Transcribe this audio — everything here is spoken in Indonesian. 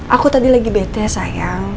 aku tadi lagi bete sayang